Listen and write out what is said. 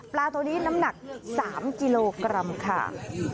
ตัวนี้น้ำหนัก๓กิโลกรัมค่ะ